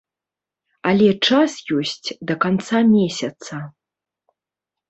Але час ёсць да канца месяца.